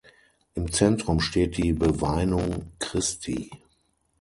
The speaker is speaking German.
Im Zentrum steht die Beweinung Christi.